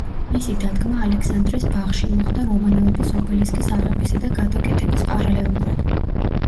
მისი დადგმა ალექსანდრეს ბაღში, მოხდა რომანოვების ობელისკის აღებისა და გადაკეთების პარალელურად.